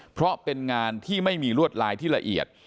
เพราะเป็นงานที่ไม่มีลวดลายที่ละเอียด